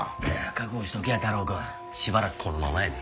覚悟しときや太郎くん。しばらくこのままやで。